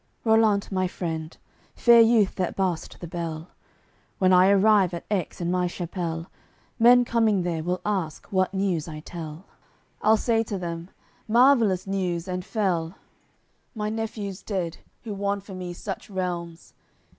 CCIX "Rollant, my friend, fair youth that bar'st the bell, When I arrive at Aix, in my Chapelle, Men coming there will ask what news I tell; I'll say to them: `Marvellous news and fell. My nephew's dead, who won for me such realms!'